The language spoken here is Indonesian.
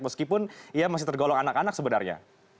meskipun ia masih tergolong anak anak sebenarnya